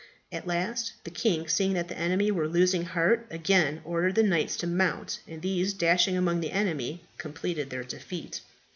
At last the king, seeing that the enemy were losing heart, again ordered the knights to mount, and these dashing among the enemy, completed their defeat.